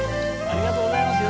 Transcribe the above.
ありがとうございます